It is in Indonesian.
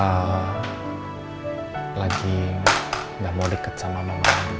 mbak adi gak mau deket sama mbak andin